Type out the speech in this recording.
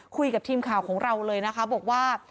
คุยกับทีมข่าวของเราเลยนะคะบอกว่า